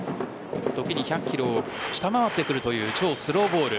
時に１００キロを下回ってくるという超スローボール。